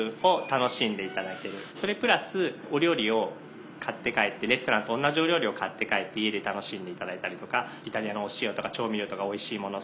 それプラスお料理を買って帰ってレストランと同じお料理を買って帰って家で楽しんで頂いたりとかイタリアのお塩とか調味料とかおいしいもの